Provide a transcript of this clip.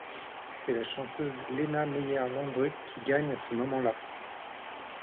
C'est la chanteuse Lena Meyer-Landrut qui gagne à ce moment-là.